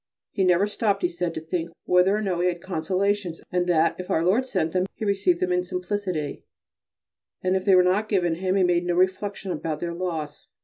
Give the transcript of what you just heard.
He never stopped, he said, to think whether or no he had consolations, and that if Our Lord sent them he received them in simplicity; if they were not given him he made no reflections about their loss.